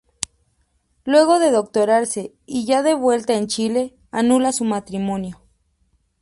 Luego de doctorarse y ya de vuelta en Chile, anula su matrimonio.